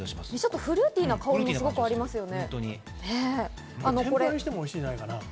フルーティーな香りもありますよね。